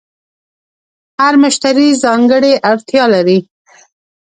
هر مشتری ځانګړې اړتیا لري.